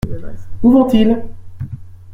Où vont-ils ?